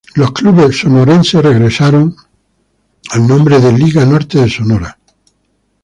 Los clubes sonorenses regresaron al nombre de "Liga Norte de Sonora".